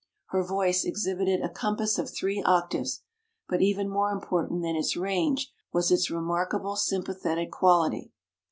Her voice exhibited a compass of three oc taves, but even more important than its range was its remarkable sympathetic qual ity.